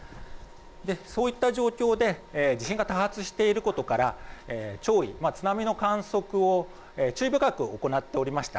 そういった状況で地震が多発していることから潮位、津波の観測を注意深く行っておりました。